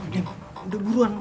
dem udah buruan